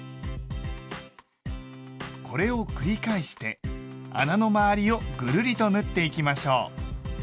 これを繰り返して穴の周りをぐるりと縫っていきましょう。